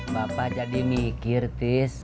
bapak jadi mikir tis